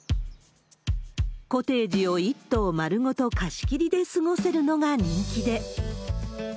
コテージを１棟丸ごと貸し切りで過ごせるのが人気で。